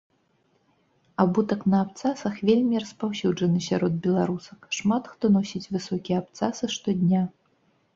Абутак на абцасах вельмі распаўсюджаны сярод беларусак, шмат хто носіць высокія абцасы штодня.